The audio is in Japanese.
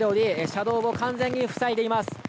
車道を完全に塞いでいます。